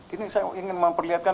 ini saya ingin memperlihatkan